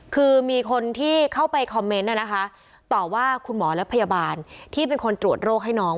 คือมีคนที่เข้าไปคอมเมนต์นะคะต่อว่าคุณหมอและพยาบาลที่เป็นคนตรวจโรคให้น้อง